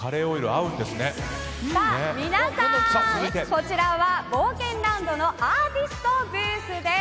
皆さん、こちらは冒険ランドのアーティストブースです。